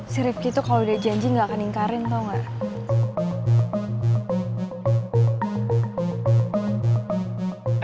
si rifki itu kalau udah janji gak akan ingkarin tau gak